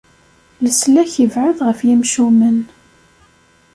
Leslak ibɛed ɣef yimcumen.